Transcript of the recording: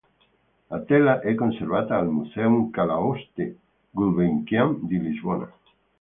La tela è conservata al Museu Calouste-Gulbenkian di Lisbona.